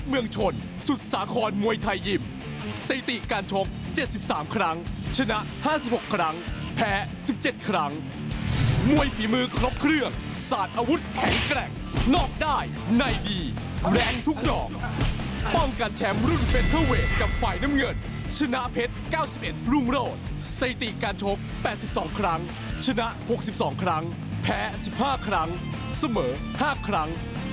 ๙๑รุ่งโลดสายตีการชบ๘๒ครั้งชนะ๖๒ครั้งแพ้๑๕ครั้งเสมอ๕ครั้ง